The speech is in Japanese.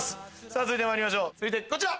さぁ続いてこちら。